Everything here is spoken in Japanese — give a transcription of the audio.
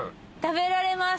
食べられます。